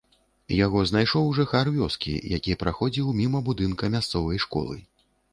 Яго знайшоў жыхар вёскі, які праходзіў міма будынка мясцовай школы.